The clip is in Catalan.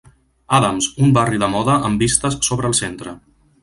Adams, un barri de moda amb vistes sobre el centre.